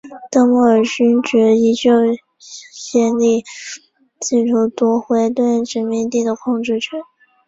邓莫尔勋爵依旧竭力试图夺回对殖民地的控制权。